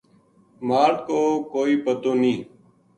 مال کو کوئی پتو نیہہ